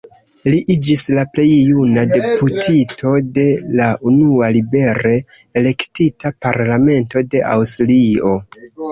Li iĝis la plej juna deputito de la unua libere elektita parlamento de Aŭstrio.